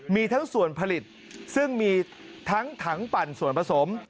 มีทั้งส่วนผลิตซึ่งมีทั้งถังปั่นส่วนผสม